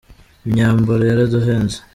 imyambaro yaraduhenze.